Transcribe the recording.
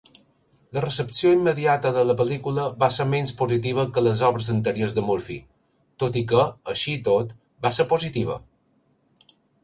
La recepció immediata de la pel·lícula va ser menys positiva que la de les obres anteriors de Murphy, tot i que, així i tot, va ser positiva.